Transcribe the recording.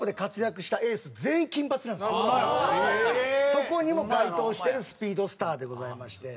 そこにも該当してるスピードスターでございまして。